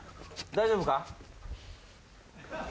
大丈夫か？